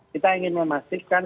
kita ingin memastikan